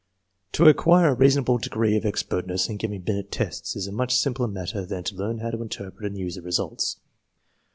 To acquire a reasonable degree of expertness in giving Binet tests is a much simpler matter than to learn how to interpret and use the results.